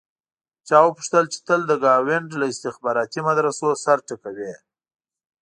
چا وپوښتل چې تل د ګاونډ له استخباراتي مدرسو سر ټکوې.